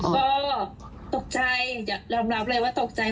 ก็ตกใจยอมรับเลยว่าตกใจ